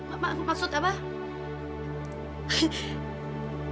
apa maksud abah